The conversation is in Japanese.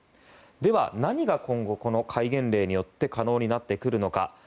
では何が今後、この戒厳令によって可能になってくるのか。